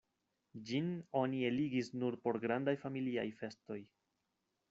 Ĝin oni eligis nur por grandaj familiaj festoj.